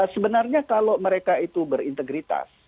sebenarnya kalau mereka itu berintegritas